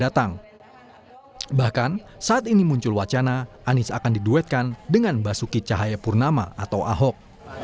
dan kemudian nanti kita ambil keputusan